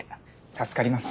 助かります。